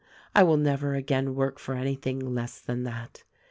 I will never again work for any thing less than that.